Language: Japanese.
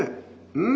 うん？